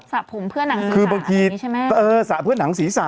สระผมเพื่อหนังศีรษะแบบนี้ใช่ไหมเออสระเพื่อหนังศีรษะ